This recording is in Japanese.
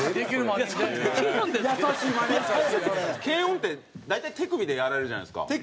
検温って大体手首でやられるじゃないですか。